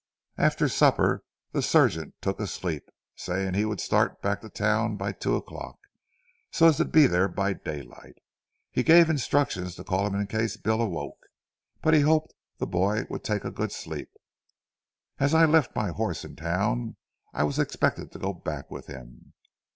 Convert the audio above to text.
"After supper the surgeon took a sleep, saying we would start back to town by two o'clock, so as to be there by daylight. He gave instructions to call him in case Bill awoke, but he hoped the boy would take a good sleep. As I had left my horse in town, I was expected to go back with him.